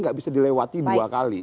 nggak bisa dilewati dua kali